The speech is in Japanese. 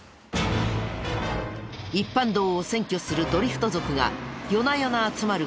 一般道を占拠するドリフト族が夜な夜な集まる